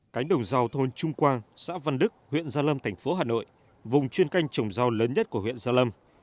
cánh đồng rau thôn trung quang xã văn đức huyện gia lâm thành phố hà nội vùng chuyên canh trồng rau lớn nhất của huyện gia lâm